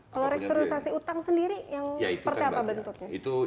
kalau reksplorirasi utang sendiri seperti apa bentuknya